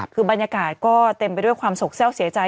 คือบรรยากาศก็เต็มไปด้วยความโศกเศร้าเสียใจ